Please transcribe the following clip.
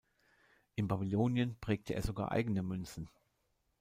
In Babylonien prägte er sogar eigene Münzen.